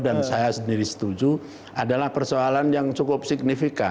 dan saya sendiri setuju adalah persoalan yang cukup signifikan